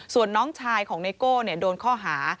ส่วนน้องชายของไนโก้โดนข้อหา